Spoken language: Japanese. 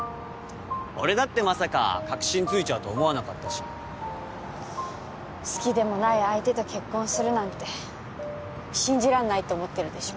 俺だってまさか核心ついちゃうと思わなかったし好きでもない相手と結婚するなんて信じらんないって思ってるでしょ